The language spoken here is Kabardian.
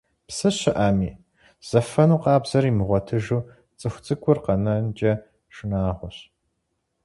Псы щыӀэми, зэфэну къабзэр имыгъуэтыжу цӀыху цӀыкӀур къэнэнкӀэ шынагъуэщ.